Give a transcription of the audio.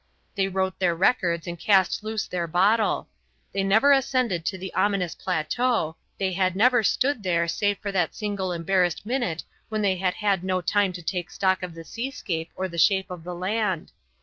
They wrote their records and cast loose their bottle. They never ascended to the ominous plateau; they had never stood there save for that single embarrassed minute when they had had no time to take stock of the seascape or the shape of the land.